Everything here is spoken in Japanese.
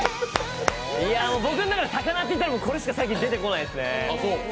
僕の中で魚っていったら、最近これしか出てこないですね。